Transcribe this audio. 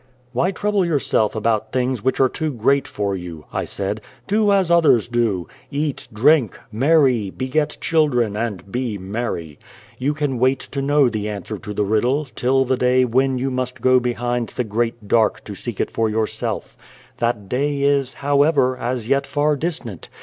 " Why trouble yourself about things which are too great for you ?" I said. " Do as others do. Eat, drink, marry, beget chil dren, and be merry. You can wait to know the answer to the riddle, till the day when you must go behind the Great Dark to seek it for yourself. That day is, how ever, as yet far distant.